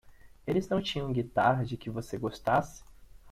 Eles não tinham guitarras de que você gostasse?